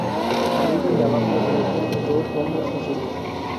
Arriba y abajo de ella dos rombos azules.